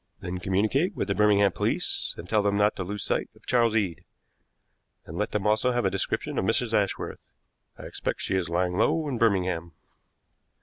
Then communicate with the Birmingham police, and tell them not to lose sight of Charles Eade, and let them also have a description of Mrs. Ashworth. I expect she is lying low in Birmingham."